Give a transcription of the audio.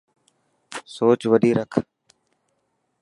سوچ وڏي رک.